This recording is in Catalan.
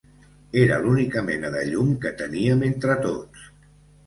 Era l'única mena de llum que teníem entre tots